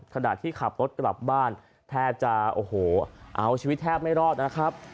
ขณะที่ขับรถกลับบ้านแทบจะโอ้โหเอาชีวิตแทบไม่รอดนะครับ